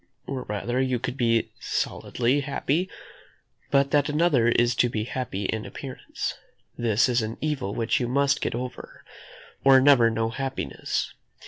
Or rather, you could be solidly happy, but that another is to be happy in appearance. This is an evil which you must get over, or never know happiness.